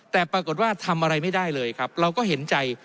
แต่ปรากฏว่าทำอะไรไม่ได้เลยครับเราก็เห็นใจ